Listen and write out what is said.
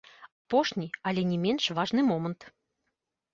Апошні, але не менш важны момант.